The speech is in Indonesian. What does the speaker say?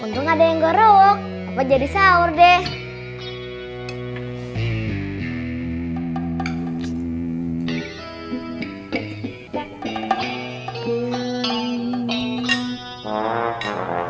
untung ada yang gorowok papa jadi sahur deh